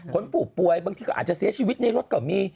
คนผู้ป่วยบางทีก็อาจจะเสียชีวิตในรถก็มี